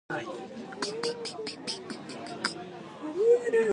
Brothers Jake and Duncan are saved by Lester.